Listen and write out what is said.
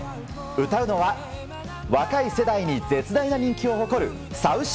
歌うのは若い世代に絶大な人気を誇るＳａｕｃｙＤｏｇ。